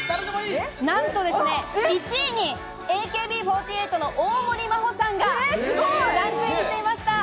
なんとですね、１位にＡＫＢ４８の大盛真歩さんがランクインしていました。